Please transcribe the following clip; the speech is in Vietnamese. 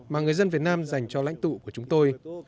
mà người dân việt nam dành cho lãnh tụ của chúng tôi